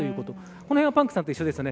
これはパンクさんと一緒ですね。